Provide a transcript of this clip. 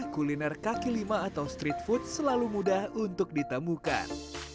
kuliner kaki lima atau street food selalu mudah untuk ditemukan